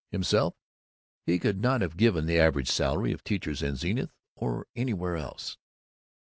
Himself, he could not have given the average salary of teachers in Zenith or anywhere else.